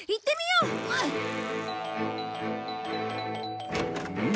うん？